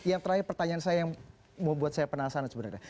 yang terakhir pertanyaan saya yang membuat saya penasaran sebenarnya